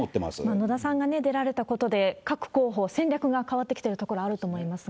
野田さんが出られたことで、各候補、戦略が変わってきてるところあると思いますが。